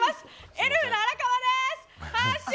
エルフの荒川でーす！